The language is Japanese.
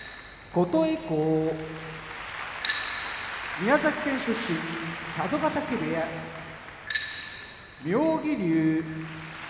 宮崎県出身佐渡ヶ嶽部屋妙義龍